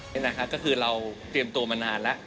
นี่นะครับก็คือเราเตรียมตัวมานานแล้ว